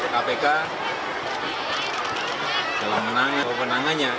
kpk dalam menangannya